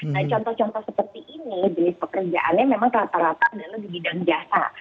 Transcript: nah contoh contoh seperti ini jenis pekerjaannya memang rata rata adalah di bidang jasa